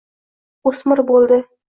O’smir bo’ldi